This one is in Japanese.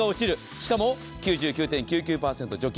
しかも９９．９９％除菌。